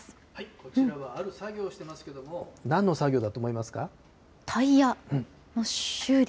こちらはある作業をしてますけれども、なんの作業だと思いまタイヤの修理？